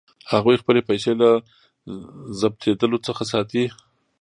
هغوی خپلې پیسې له ضبظېدلو څخه ساتي.